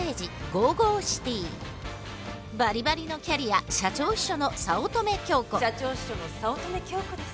バリバリのキャリア社長秘書の早乙女京子です。